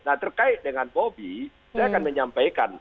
nah terkait dengan bobi saya akan menyampaikan